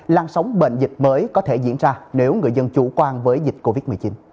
lan sóng bệnh dịch mới có thể diễn ra nếu người dân chủ quan với dịch covid một mươi chín